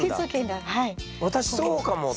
私そうかもって？